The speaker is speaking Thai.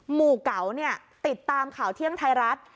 หมู่เก๋าเนี่ยติดตามข่าวเที่ยงไทยรัฐ